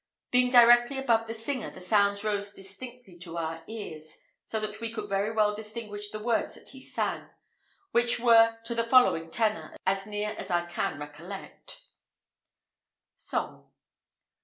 Being directly above the singer, the sounds rose distinctly to our ears, so that we could very well distinguish the words that he sang, which were to the following tenour, as near as I can recollect: SONG.